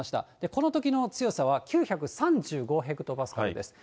このときの強さは９３５ヘクトパスカルです。